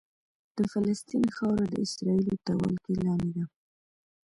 د فلسطین خاوره د اسرائیلو تر ولکې لاندې ده.